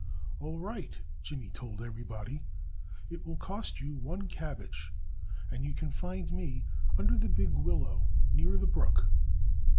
"All right!" Jimmy told everybody. "It will cost you one cabbage.... And you can find me under the big willow near the brook."